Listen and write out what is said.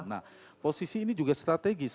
nah posisi ini juga strategis